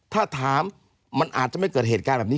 ถ้าถามมันอาจจะไม่เกิดเหตุการณ์แบบนี้